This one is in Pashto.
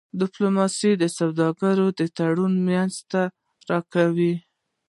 ډيپلوماسي د سوداګری تړونونه رامنځته کوي.